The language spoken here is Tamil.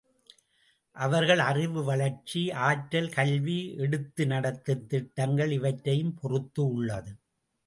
அவர்கள் அறிவு வளர்ச்சி, ஆற்றல், கல்வி, எடுத்து நடத்தும் திட்டங்கள் இவற்றையும் பொறுத்து உள்ளது.